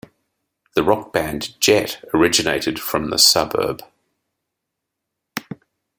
The rock band Jet originated from the suburb.